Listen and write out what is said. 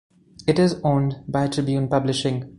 It is owned by Tribune Publishing.